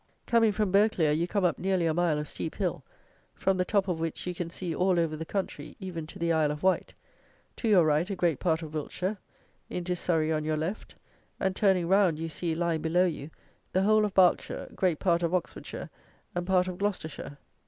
Coming from Burghclere, you come up nearly a mile of steep hill, from the top of which you can see all over the country, even to the Isle of Wight; to your right a great part of Wiltshire; into Surrey on your left; and, turning round, you see, lying below you, the whole of Berkshire, great part of Oxfordshire, and part of Gloucestershire.